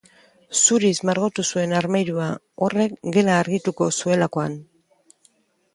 Zuriz margotu zuen armairua, horrek gela argituko zuelakoan